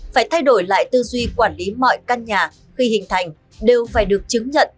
phải thay đổi lại tư duy quản lý mọi căn nhà khi hình thành đều phải được chứng nhận